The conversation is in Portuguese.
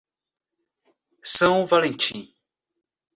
São Valentim